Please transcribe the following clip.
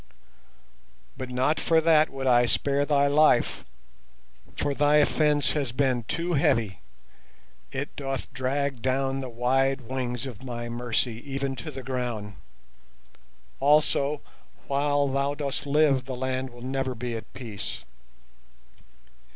"But not for that would I spare thy life, for thy offence has been too heavy; it doth drag down the wide wings of my mercy even to the ground. Also, while thou dost live the land will never be at peace.